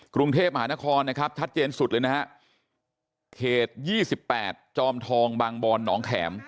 กรุงเทพมหานครนะครับชัดเจนสุดเลยนะฮะเขต๒๘จอมทองบางบอนหนองแข็ม